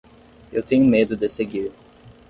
Eu tenho medo de seguir